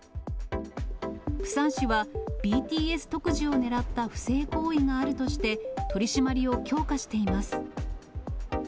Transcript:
プサン市はＢＴＳ特需を狙った不正行為があるとして、取締りを強化しています。